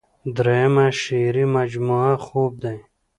دريمه شعري مجموعه خوب دے ۔